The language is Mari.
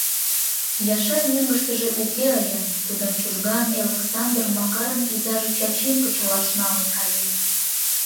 Яшай мӧҥгыштыжӧ уке ыле: тудым Чужган Элыксандыр, Макарын изаже, Чачим кычалаш налын каен.